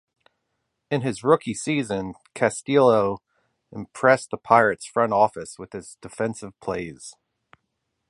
In his rookie season, Castillo impressed the Pirates front office with his defensive plays.